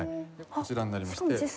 こちらになりまして。